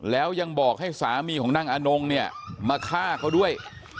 แล้วยังบอกให้สามีของนางอนงเนี่ยมาฆ่าเขาด้วย